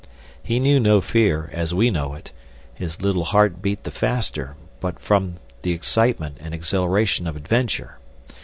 He knew no fear, as we know it; his little heart beat the faster but from the excitement and exhilaration of adventure.